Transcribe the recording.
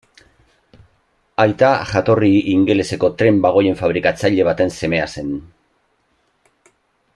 Aita jatorri ingeleseko tren-bagoien fabrikatzaile baten semea zen.